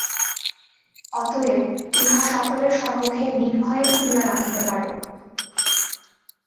অতএব ইহা সকলের সম্মূখেই নির্ভয়ে খুলিয়া রাখিতে পারো।